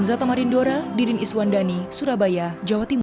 dua puluh lima orang meninggal dunia ratusan orang juga mengalami luka